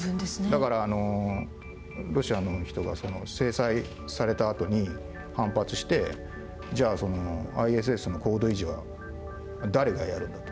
だからロシアの人が制裁されたあとに反発してじゃあそのＩＳＳの高度維持は誰がやるんだ？